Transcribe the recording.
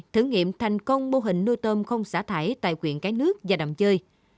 thử nghiệm thành công mô hình nuôi tôm không xả thải tại quyện cái nước và đầm chơi